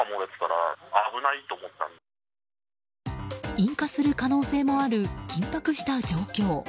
引火する可能性もある緊迫した状況。